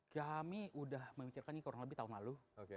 kami sudah memikirkan ini kurang lebih tahun lalu